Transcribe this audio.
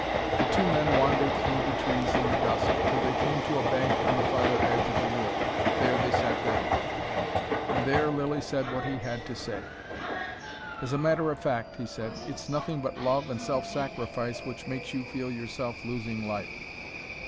The two men wandered through the trees in the dusk, till they came to a bank on the farther edge of the wood. There they sat down. And there Lilly said what he had to say. "As a matter of fact," he said, "it's nothing but love and self sacrifice which makes you feel yourself losing life."